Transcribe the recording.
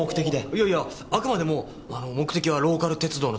いやいやあくまでも目的はローカル鉄道の旅。